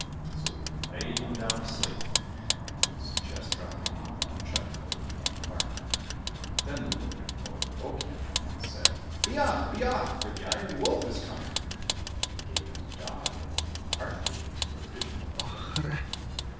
So he laid him down to sleep, and was just dropping off when Chutko began to bark. Then the old people awoke him, and ^ Hearkener. L l6l COSSACK FAIRY TALES said, " Be off ! be off ! for the Iron Wolf is coming." And they gave him the dog, and a wheaten hearth cake as provision by the way.